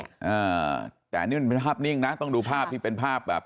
อ่าแต่อันนี้มันเป็นภาพนิ่งนะต้องดูภาพที่เป็นภาพแบบ